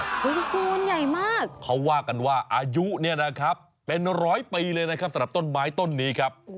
คุณคุณใหญ่มากเขาว่ากันว่าอายุเป็น๑๐๐ปีเลยนะครับสำหรับต้นไม้ต้นนี้ครับ